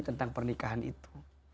tentang pernikahan itu